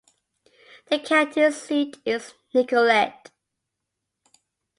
The county seat is Nicolet.